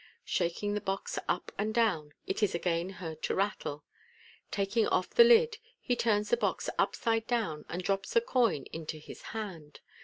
Shaking the box up and down, it is again heard to rattle. Taking off the lid, he turns the box upside down, and drops the coin into his hand.